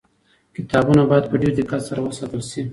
کتابونه باید په ډېر دقت سره وساتل سي.